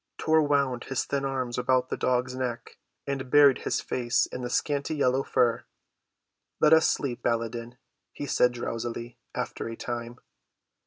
Tor wound his thin arms about the dog's neck, and buried his face in the scanty yellow fur. "Let us sleep, Baladan," he said drowsily, after a time.